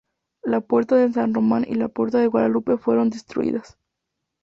La puerta de San Román y la Puerta de Guadalupe fueron destruidas.